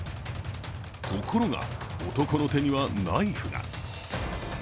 ところが、男の手にはナイフが。